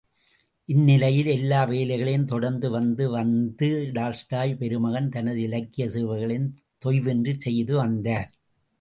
இந்நிலையில் எல்லா வேலைகளையும் தொடர்ந்து வந்து வந்த டால்ஸ்டாய் பெருமகன், தனது இலக்கியச் சேவைகளையும் தொய்வின்றிச் செய்துவந்தார்.